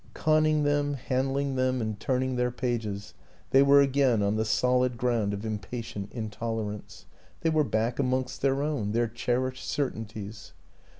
Con ning them, handling them and turning their pages, they were again on the solid ground of impatient intolerance; they were back amongst their own, their cherished certainties.